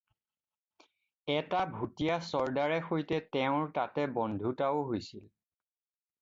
এটা ভুটীয়া চৰ্দ্দাৰে সৈতে তেওঁৰ তাতে বন্ধুতাও হৈছিল।